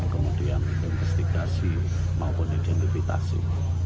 kemudian investigasi maupun identifikasi